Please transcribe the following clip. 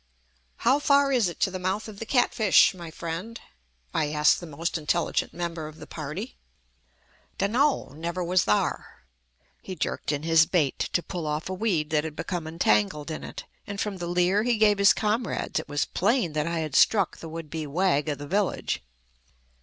"How far is it to the mouth of the Catfish, my friend?" I asked the most intelligent member of the party. "D'no! Never was thar." He jerked in his bait, to pull off a weed that had become entangled in it, and from the leer he gave his comrades it was plain that I had struck the would be wag of the village.